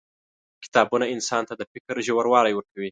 • کتابونه انسان ته د فکر ژوروالی ورکوي.